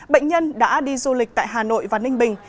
bệnh nhân đã đi du lịch tại hà nội và ninh bình